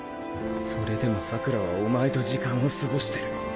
それでも桜良はお前と時間を過ごしてる。